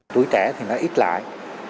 tuổi trẻ thì nó ít lại